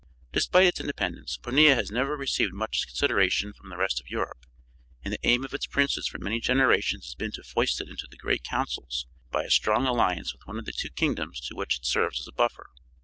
Despite its independence, Pornia has never received much consideration from the rest of Europe, and the aim of its princes for many generations has been to foist it into the great councils by a strong alliance with one of the two kingdoms to which it serves as a buffer.